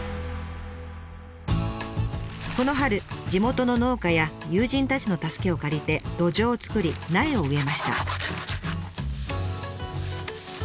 この春地元の農家や友人たちの助けを借りて土壌を作り苗を植えました。